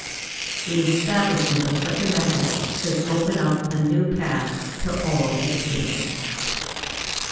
The establishment of such a method should open up a new path to all education.